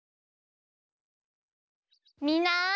みんな！